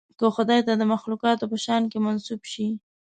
که خدای ته د مخلوقاتو په شأن کې منسوب شي.